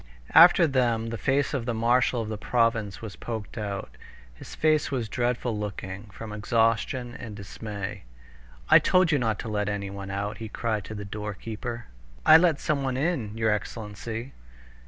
After them the face of the marshal of the province was poked out. His face was dreadful looking from exhaustion and dismay. "I told you not to let anyone out!" he cried to the doorkeeper. "I let someone in, your excellency!"